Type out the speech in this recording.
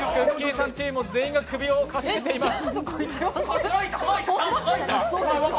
さんチーム、全員が首をかしげています。